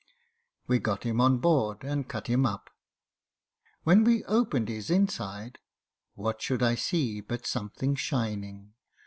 We got him on board and cut him up. When we opened his inside, what should I see but something shining.